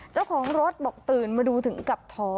เจ้าของรถบอกตื่นมาดูถึงกับท้อ